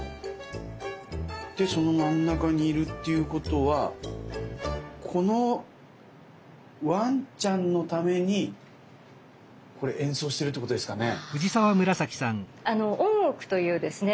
でその真ん中にいるっていうことはこのわんちゃんのためにこれ演奏してるってことですかね？